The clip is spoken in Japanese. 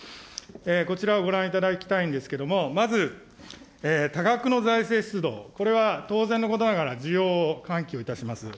こちらをご覧いただきたいんですけども、まず、多額の財政出動、これは当然のことながら需要を喚起をいたします。